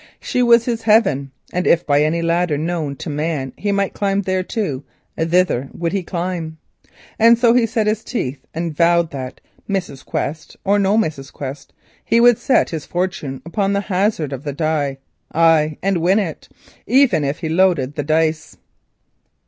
She was his heaven, and if by any ladder known to man he might climb thereto, thither he would climb. And so he set his teeth and vowed that, Mrs. Quest or no Mrs. Quest, he would stake his fortune upon the hazard of the die, aye, and win, even if he loaded the dice.